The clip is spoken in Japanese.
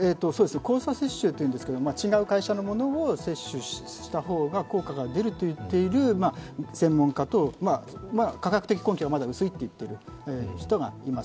交差接種というんですけれども、違う会社のものを接種した方が効果が出ると言っている専門家と、科学的根拠はまだ薄いと言っている人はいます。